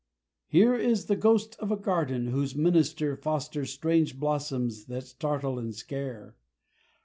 Here is the "ghost of a garden" whose minister Fosters strange blossoms that startle and scare.